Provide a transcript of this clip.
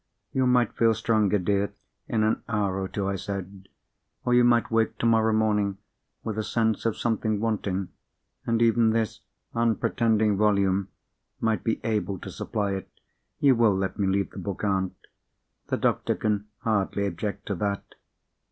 "You might feel stronger, dear, in an hour or two," I said. "Or you might wake, tomorrow morning, with a sense of something wanting, and even this unpretending volume might be able to supply it. You will let me leave the book, aunt? The doctor can hardly object to that!"